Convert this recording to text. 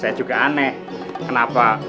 saya juga aneh kenapa